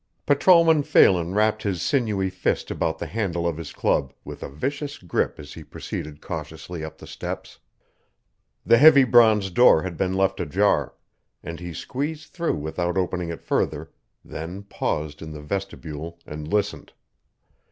Patrolman Phelan wrapped his sinewy fist about the handle of his club with a vicious grip as he proceeded cautiously up the steps. The heavy bronze door had been left ajar, and he squeezed through without opening it further, then paused in the vestibule and listened.